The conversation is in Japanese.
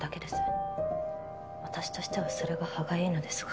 私としてはそれが歯がゆいのですが。